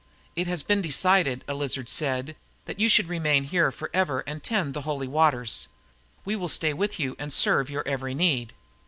"It has been decided," a lizard said, "that you shall remain here forever and tend the Holy Waters. We will stay with you and serve your every need."